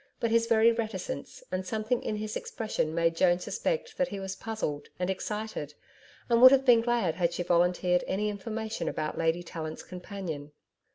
But his very reticence and something in his expression made Joan suspect that he was puzzled and excited, and would have been glad had she volunteered any information about Lady Tallant's companion.